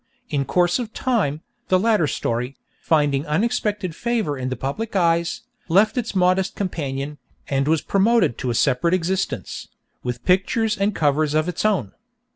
In course of time, the latter story, finding unexpected favour in the public eyes, left its modest companion, and was promoted to a separate existence, with pictures and covers of its own.